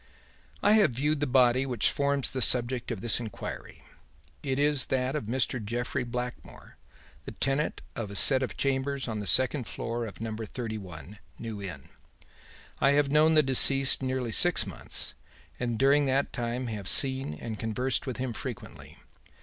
"'I have viewed the body which forms the subject of this inquiry. It is that of Mr. Jeffrey Blackmore, the tenant of a set of chambers on the second floor of number thirty one, New Inn. I have known the deceased nearly six months, and during that time have seen and conversed with him frequently.